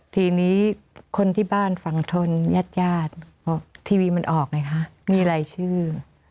ทีนี้คนที่บ้านฝั่งทนญาติญาติเพราะทีวีมันออกไงคะมีรายชื่อ